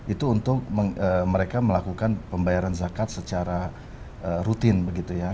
itu untuk mereka melakukan pembayaran zakat secara rutin begitu ya